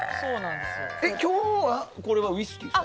今日は、ウイスキーですか。